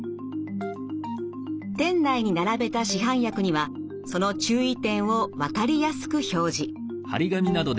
店内に並べた市販薬にはその注意点を分かりやすく表示。